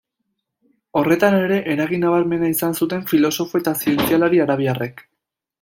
Horretan ere, eragin nabarmena izan zuten filosofo eta zientzialari arabiarrek.